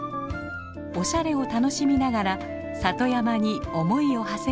おしゃれを楽しみながら里山に思いをはせることができます。